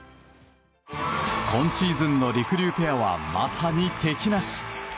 今シーズンのりくりゅうペアはまさに敵なし。